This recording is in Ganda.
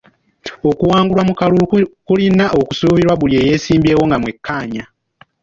Okuwangulwa mu kalulu kulina okusuubirwa ku buli eyeesimbyewo nga mwekkaanya